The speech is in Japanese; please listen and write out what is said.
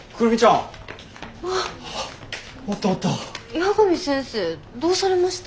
八神先生どうされました？